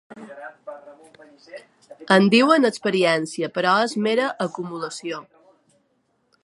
En diuen experiència, però és mera acumulació.